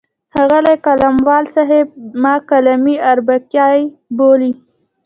ښاغلی قلموال صاحب ما قلمي اربکی بولي.